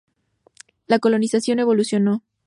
La colonización evolucionó.